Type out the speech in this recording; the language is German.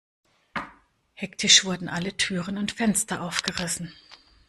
Hektisch wurden alle Türen und Fenster aufgerissen.